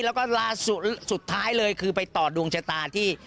แล้วก็ล่าสุดสุดท้ายเลยคือไปต่อดวงชะตาที่